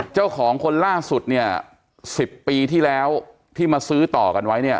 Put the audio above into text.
เจ้าของคนล่าสุดเนี่ย๑๐ปีที่แล้วที่มาซื้อต่อกันไว้เนี่ย